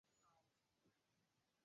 后于光绪二十九年祠。